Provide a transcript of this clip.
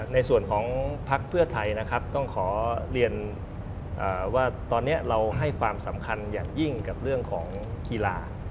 ในส่วนของพักเพื่อไทยนะครับต้องขอเรียนว่าตอนนี้เราให้ความสำคัญอย่างยิ่งกับเรื่องของกีฬา